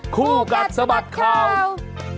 คู่กัดสะบัดข่าว